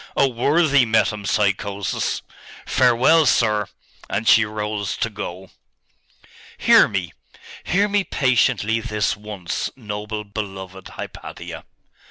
Oh worthy metempsychosis! Farewell, sir!' And she rose to go. 'Hear me! hear me patiently this once, noble, beloved Hypatia!